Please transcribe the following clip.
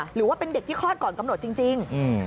หรือว่าเป็นเด็กที่คลอดก่อนกำหนดจริง